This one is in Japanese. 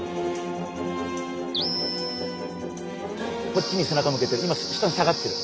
こっちに背中向けてる。